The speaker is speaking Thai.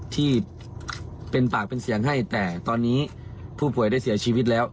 ที่เป็นปากเป็นเสียงให้แต่ตอนนี้ผู้ป่วยได้เสียชีวิตแล้ว